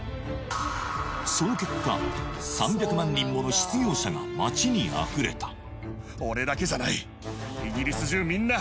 その結果３００万人もの失業者が町にあふれた運